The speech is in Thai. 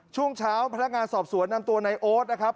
ช่วงเช้าพนักงานสอบสวนนำตัวในโอ๊ตนะครับ